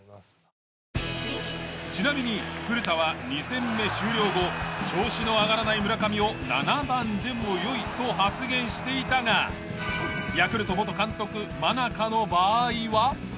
ちなみに古田は２戦目終了後調子の上がらない村上を７番でもよいと発言していたがヤクルト元監督真中の場合は。